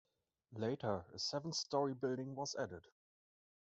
Later, a seven-story building was added.